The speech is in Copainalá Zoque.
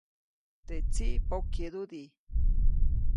Teʼ tsiʼ pokyeʼdudi.